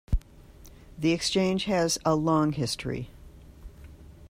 The exchange has a long history.